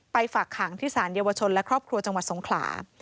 ฝากขังที่สารเยาวชนและครอบครัวจังหวัดสงขลา